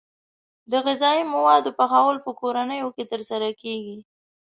د غذايي موادو پخول په کورونو کې ترسره کیږي.